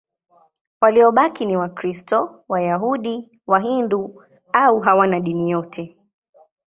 Waliobaki ni Wakristo, Wayahudi, Wahindu au hawana dini yote.